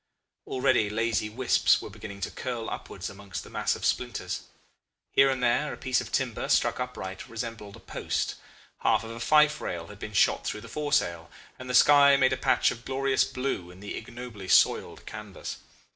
Already lazy wisps were beginning to curl upwards amongst the mass of splinters. Here and there a piece of timber, stuck upright, resembled a post. Half of a fife rail had been shot through the foresail, and the sky made a patch of glorious blue in the ignobly soiled canvas.